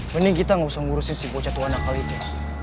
mending kita gausah ngurusin si bocah tuhan akal itu